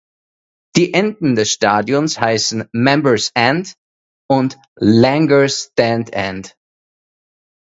Die Enden des Stadions heißen "Member’s End" und "Langer Stand End".